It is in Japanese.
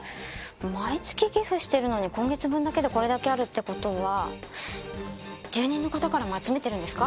毎月寄付してるのに今月分だけでこれだけあるって事は住人の方からも集めてるんですか？